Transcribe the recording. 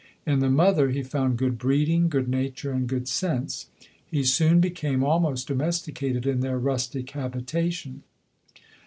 In the mother, he found good breeding, good nature, and good sense. lie soon became almost domesticated in their rustic habitation.